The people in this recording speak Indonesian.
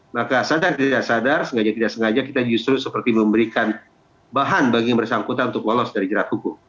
maka sadar tidak sadar sengaja tidak sengaja kita justru seperti memberikan bahan bagi yang bersangkutan untuk lolos dari jerat hukum